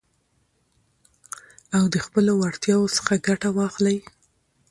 او د خپلو وړتياوو څخه ګټه واخلٸ.